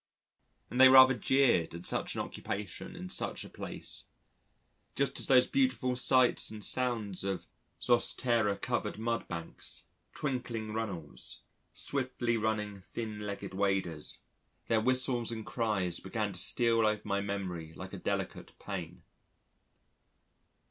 And they rather jeered at such an occupation in such a place, just as those beautiful sights and sounds of zostera covered mud banks, twinkling runnels, swiftly running thin legged waders, their whistles and cries began to steal over my memory like a delicate pain.